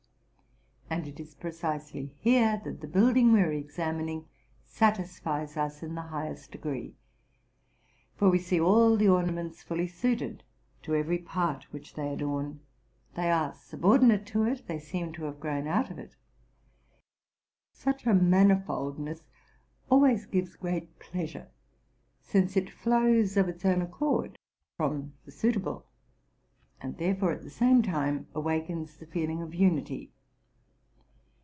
And it is precisely here that the building we are examining satisfies us in the highest degree, for we see all the orna RELATING TO MY LIFE. 319 ments fully suited to every part which they adorn: they are subordinate to it, they seem to have grown out of it. Such a manifoldness always gives great pleasure, since it flows of its own accord from the suitable, and therefore at the same time awakens the feeling of unity.